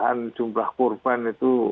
kemudian jumlah korban itu